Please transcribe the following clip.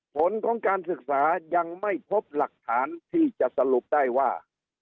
ผลของการศึกษายังไม่พบหลักฐานที่จะสรุปได้ว่า